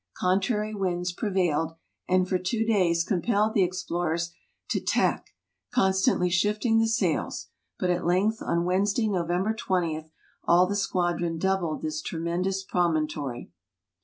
Contrary winds pre vailed, and for two days compelled the explorers to tack, constantly shifting the sails, but at length, on Wednesday, November 20, all the squadron doubled this tremendous promontory.